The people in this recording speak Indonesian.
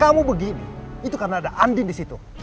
kamu begini itu karena ada andin di situ